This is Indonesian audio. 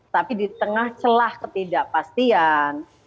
tapi di tengah celah ketidakpastian